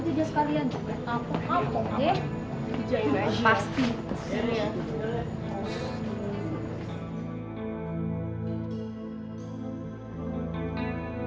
iish cuper banget sih tuh anakku